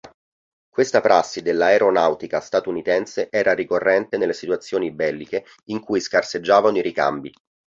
Questa prassi dell'aeronautica statunitense era ricorrente nelle situazioni belliche in cui scarseggiavano i ricambi.